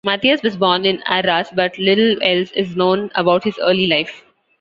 Matthias was born in Arras, but little else is known about his early life.